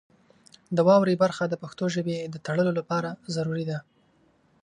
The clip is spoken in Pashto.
د واورئ برخه د پښتو ژبې د تړلو لپاره ضروري ده.